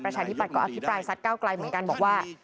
ประชาธิปัตย์ก็อภิปรายสัตว์ก้าวกลายเหมือนกันบอกว่า